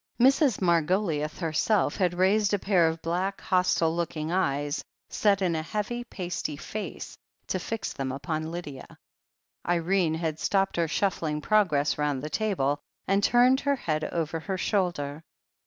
Mrs. Margoliouth herself had raised a pair of black, hostile looking eyes, set in a heavy, pasty face, to fix them upon Lydia. Irene had stopped her shuffling progress round the table, and turned her head over her shoulder.